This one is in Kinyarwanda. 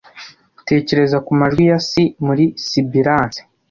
Tekereza ku majwi ya si muri sibilance